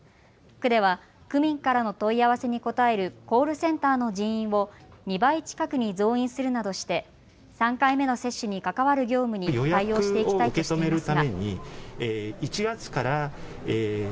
区では区民からの問い合わせに答えるコールセンターの人員を２倍近くに増員するなどして３回目の接種に関わる業務に対応していきたいとしていますが。